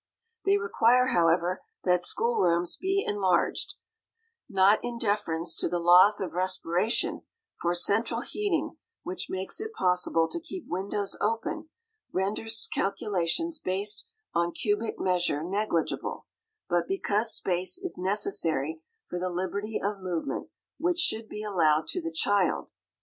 They require, however, that schoolrooms be enlarged, not in deference to the laws of respiration, for central heating, which makes it possible to keep windows open, renders calculations based on cubic measure negligible; but because space is necessary for the liberty of movement which should be allowed to the child.